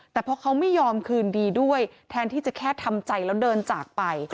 แต่เพราะเขาไม่ยอมคืนดีด้วยแทนที่จะแค่ทำใจแล้วเดินจากไป